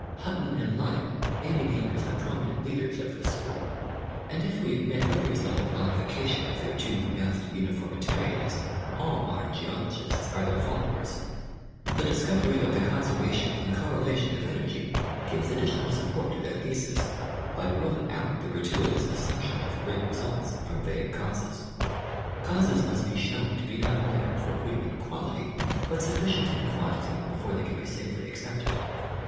Hutton and Lyell may be named as the prominent leaders of this school and if we admit a reasonable modification of their too pronounced uniformitarianism, all modern geologists are their followers. The discovery of the conservation and correlation of energy gives additional support to their thesis by ruling out the Geographic Methods in Geologic Investigation. 13 gratuitous assumption of great results from vague causes. Causes must be shown to be not only appropriate in quality, but suf ficient in quantity before they can be safely accepted.